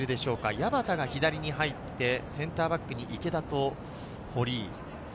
矢端が左に入ってセンターバックに池田と堀井。